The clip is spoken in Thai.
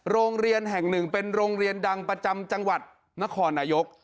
โรงเรียนแห่งหนึ่งเป็นโรงเรียนดังประจำจังหวัดนครนายก